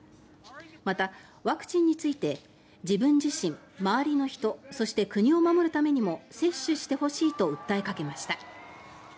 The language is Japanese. また、ワクチンについて自分自身、周りの人そして、国を守るためにも接種してほしいと訴えかけました。